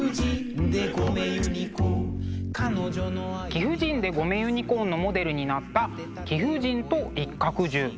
「貴婦人でごめユニコーン」のモデルになった「貴婦人と一角獣」。